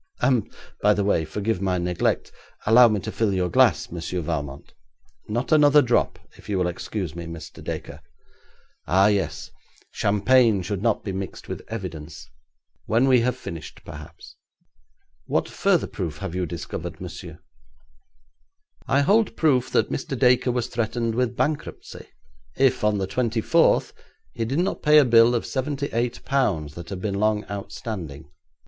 And, by the way, forgive my neglect, allow me to fill your glass, Monsieur Valmont.' 'Not another drop, if you will excuse me, Mr. Dacre.' 'Ah, yes, champagne should not be mixed with evidence. When we have finished, perhaps. What further proof have you discovered, monsieur?' 'I hold proof that Mr. Dacre was threatened with bankruptcy, if, on the twenty fourth, he did not pay a bill of seventy eight pounds that had been long outstanding.